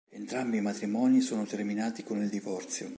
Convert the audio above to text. Entrambi i matrimoni sono terminati con il divorzio.